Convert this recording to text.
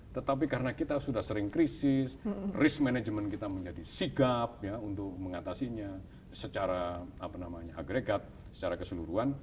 tetapi karena kita sudah sering krisis risk management kita menjadi sigap untuk mengatasinya secara agregat secara keseluruhan